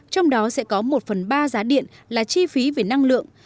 trong đó sẽ có một phần ba giá điện là chi phí về năng lượng